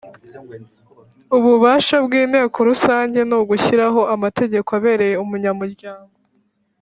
Ububasha bw’inteko rusange ni ugushyiraho amategeko abereye abanyamuryango